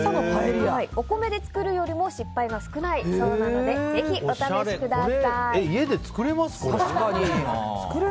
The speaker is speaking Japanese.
お米で作るよりも失敗が少ないそうなのでおしゃれ。